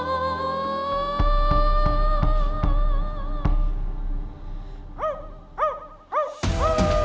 โชว์